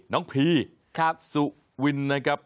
พีสุวินนะครับ